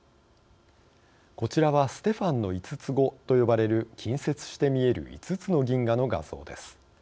こちらはステファンの５つ子と呼ばれる近接して見える５つの銀河の画像です。